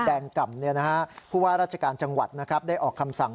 แดงก่ำผู้ว่าราชการจังหวัดได้ออกคำสั่ง